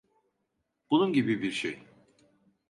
Bunun gibi bir şey.